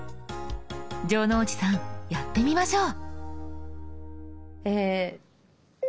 城之内さんやってみましょう。